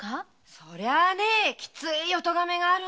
そりゃねきついお咎めがあるんだよ。